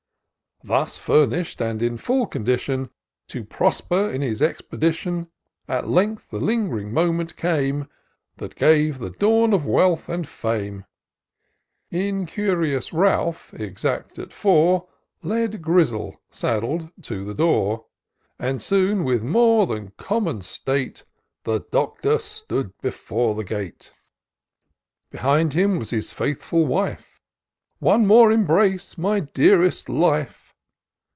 Thus furnish'd, and in full condition To prosper in his expedition ; At length the ling'ring moment came, That gave the dawn of wealth and fame. TOUR OP DOCTOR SYNTAX Incurious Ralph, exact at four, Led Grizzle, saddled, to the door ; And soon, with more than common state. The Doctor stood before the gate^ Behind him was his Mthfiil wife ;—" One more embrace my dearest life